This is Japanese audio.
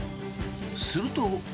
すると。